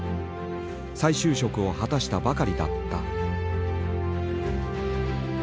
再就職を果たしたばかりだった。